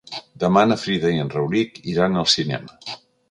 Demà na Frida i en Rauric iran al cinema.